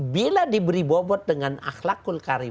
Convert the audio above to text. bila diberi bobot dengan akhlakul karim